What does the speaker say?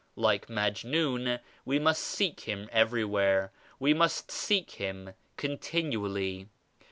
Like Majnun we must seek Him every where, we must seek Him continually.